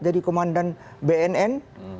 jadi komandan bnn